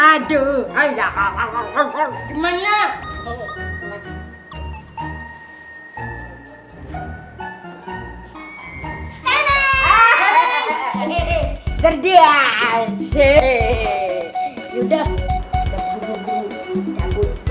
aduh ayaka datang